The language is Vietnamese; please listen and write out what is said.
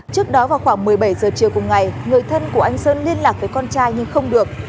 trước đó vào khoảng một mươi bảy giờ chiều cùng ngày người thân của anh sơn liên lạc với con trai nhưng không được